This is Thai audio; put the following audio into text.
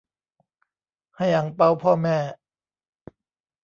ให้อั่งเปาพ่อแม่